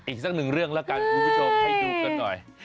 อีกสักหนึ่งเรื่องแล้วกันคุณผู้ชมให้ดูกันหน่อย